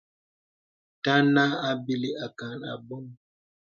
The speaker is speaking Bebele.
Taŋā à bìlī ākàŋ abɔ̄ŋ.